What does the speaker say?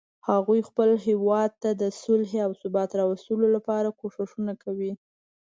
هغوی خپل هیواد ته د صلحې او ثبات راوستلو لپاره کوښښونه کوي